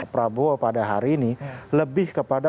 prabowo pada hari ini lebih kepada